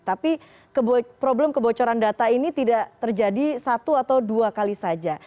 tapi problem kebocoran data ini tidak terjadi satu atau dua kali saja